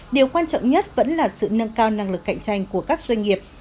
điều quan trọng nhất vẫn là sự nâng cao năng lực cạnh tranh của các doanh nghiệp